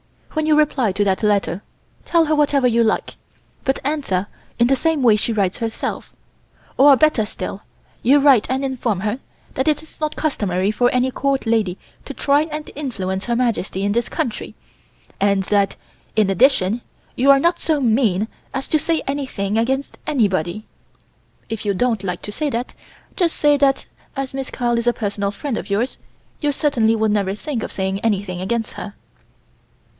When you reply to that letter tell her whatever you like, but answer in the same way she writes herself, or, better still, you write and inform her that it is not customary for any Court lady to try and influence Her Majesty in this country, and that in addition, you are not so mean as to say anything against anybody. If you don't like to say that, just say that as Miss Carl is a personal friend of yours you certainly would never think of saying anything against her."